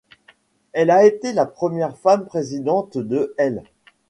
Elle a été la première femme présidente de l'.